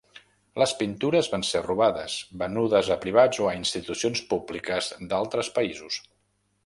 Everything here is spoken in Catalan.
Les pintures van ser robades, venudes a privats o a institucions públiques d'altres països.